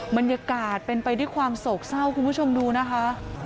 บรรยากาศเป็นไปด้วยความโศกเศร้าคุณผู้ชมดูนะคะ